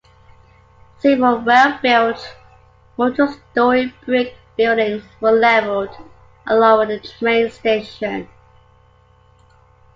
Several well-built, multi-story brick buildings were leveled, along with a train station.